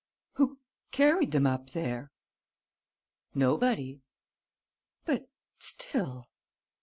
Who carried them up there?" "Nobody." "But still...."